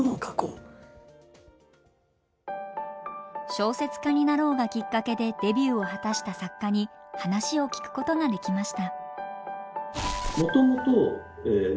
「小説家になろう」がきっかけでデビューを果たした作家に話を聞くことができました。